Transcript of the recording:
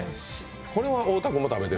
これは太田君も食べてる？